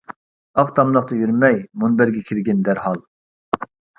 ئاق تاملىقتا يۈرمەي، مۇنبەرگە كىرگىن دەرھال.